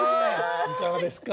いかがですか？